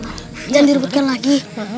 jangan direbutkan lagi